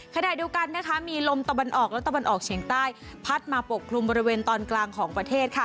ขณะเดียวกันนะคะมีลมตะวันออกและตะวันออกเฉียงใต้พัดมาปกคลุมบริเวณตอนกลางของประเทศค่ะ